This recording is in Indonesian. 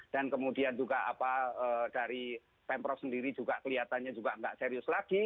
dan kemudian juga dari pemprov sendiri juga kelihatannya juga tidak serius lagi